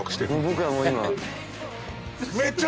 僕はもう今。